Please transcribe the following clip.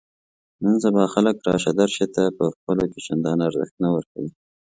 نن سبا خلک راشه درشې ته په خپلو کې چندان ارزښت نه ورکوي.